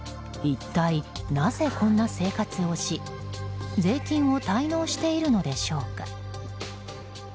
一体なぜ、こんな生活をし税金を滞納しているのでしょうか。